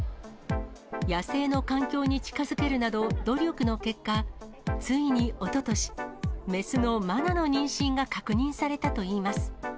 野生の環境に近づけるなど、努力の結果、ついにおととし、雌のマナの妊娠が確認されたといいます。